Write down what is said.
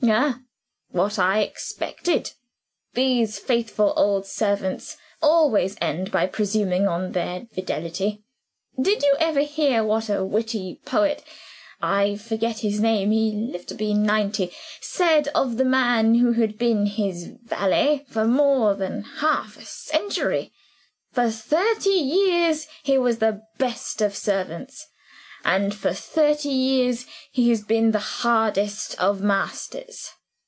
"Ah just what I expected. These faithful old servants always end by presuming on their fidelity. Did you ever hear what a witty poet I forget his name: he lived to be ninety said of the man who had been his valet for more than half a century? 'For thirty years he was the best of servants; and for thirty years he has been the hardest of masters.